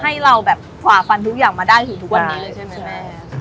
ให้เราแบบฝ่าฟันทุกอย่างมาได้ถึงทุกวันนี้เลยใช่ไหมแม่